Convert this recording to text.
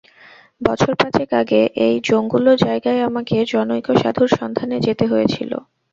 বছর পাঁচেক আগে এই জঙ্গুলো জায়গায় আমাকে জনৈক সাধুর সন্ধানে যেতে হয়েছিল।